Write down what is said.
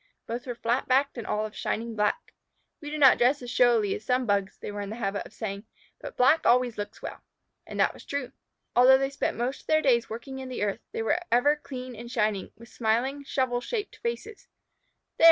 Both were flat backed and all of shining black. "We do not dress so showily as some Bugs," they were in the habit of saying, "but black always looks well." And that was true. Although they spent most of their days working in the earth, they were ever clean and shining, with smiling, shovel shaped faces. "There!"